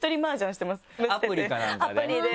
アプリかなんかで？